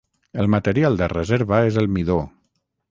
El material de reserva és el midó.